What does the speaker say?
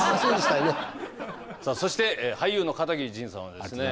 そして俳優の片桐仁さんはですね